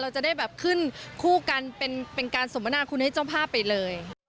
จะได้แบบขึ้นคู่กันเป็นการสมนาคุณให้เจ้าภาพไปเลย